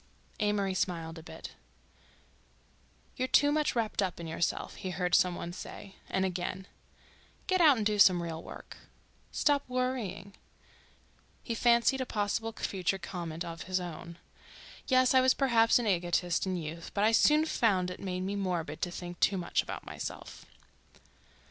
Amory smiled a bit. "You're too much wrapped up in yourself," he heard some one say. And again— "Get out and do some real work—" "Stop worrying—" He fancied a possible future comment of his own. "Yes—I was perhaps an egotist in youth, but I soon found it made me morbid to think too much about myself."